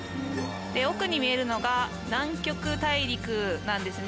奥に見えるのが南極大陸なんですね。